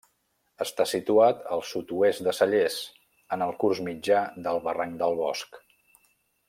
Està situat al sud-oest de Cellers, en el curs mitjà del barranc del Bosc.